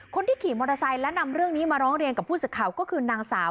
คนที่ขี่มอเตอร์ไซค์และนำเรื่องนี้มาร้องเรียนกับผู้สื่อข่าวก็คือนางสาว